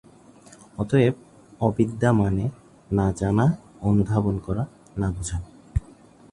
অতএব, অবিদ্যা মানে "না জানা, অনুধাবন করা, না বোঝা"।